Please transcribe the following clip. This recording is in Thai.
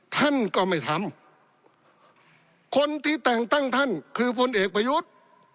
ท่านก็ไม่ทำคนที่แต่งตั้งท่านคือพลเอกประยุทธ์